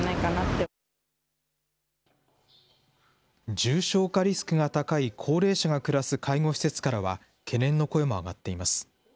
重症化リスクが高い高齢者が暮らす介護施設からは、懸念の声も上がっています。